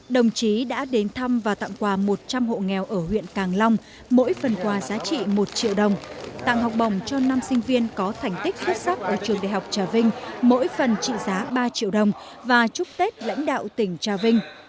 đồng chí đã đến thăm và tặng quà một trăm linh hộ nghèo ở huyện càng long mỗi phần quà giá trị một triệu đồng tặng học bổng cho năm sinh viên có thành tích xuất sắc ở trường đại học trà vinh mỗi phần trị giá ba triệu đồng và chúc tết lãnh đạo tỉnh trà vinh